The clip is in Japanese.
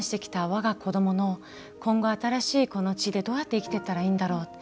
我が子どもの今後新しいこの地で、どうやって生きていったらいいんだろう。